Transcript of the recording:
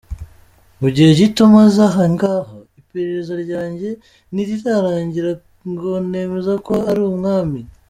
Mu gihe gito maze aha ngaha iperereza ryanjye ntirirarangira ngo nemeze ko ari umwami”.